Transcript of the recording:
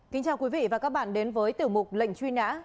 kính chào quý vị và các bạn đến với tiểu mục lệnh truy nã